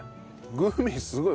グミすごい。